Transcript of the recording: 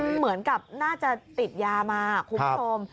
เหมือนกับน่าจะติดยามาคุณผู้ชม